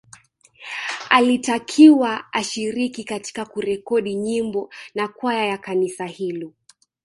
Alitakiwa ashiriki katika kurekodi nyimbo na kwaya ya kanisa hilo